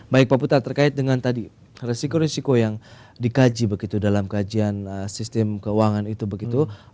baik pak putra terkait dengan tadi resiko resiko yang dikaji begitu dalam kajian sistem keuangan itu begitu